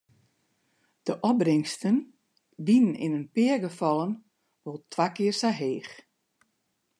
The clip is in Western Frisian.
De opbringsten wiene yn in pear gefallen wol twa kear sa heech.